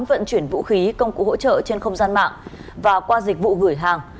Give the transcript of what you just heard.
vận chuyển vũ khí công cụ hỗ trợ trên không gian mạng và qua dịch vụ gửi hàng